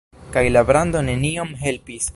Kaj la brando neniom helpis.